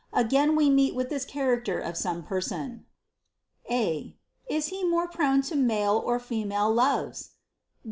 Again, we meet with «this character of some person : A. Is he more prone to male or female loves